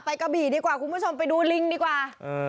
กะบี่ดีกว่าคุณผู้ชมไปดูลิงดีกว่า